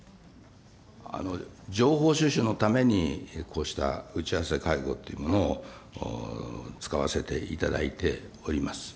情報収集のためにこうした打ち合わせ会合というものを使わせていただいております。